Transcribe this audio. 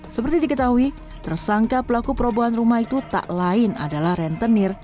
seperti diketahui tersangka pelaku perobohan rumah itu tak lain adalah rentenir